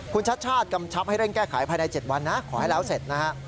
คุณชัดชาติกำชับให้เร่งแก้ไขภายใน๗วันนะขอให้แล้วเสร็จนะฮะ